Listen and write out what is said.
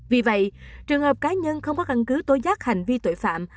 vì vậy trường hợp cá nhân không có căn cứ tối giác hành vi tội phạm